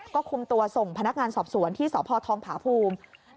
ก็คุมตัวส่งพนักงานสอบสวนที่สพทองผาภูมิ